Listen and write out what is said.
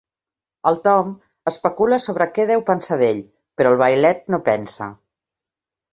El Tom especula sobre què deu pensar d'ell, però el vailet no pensa.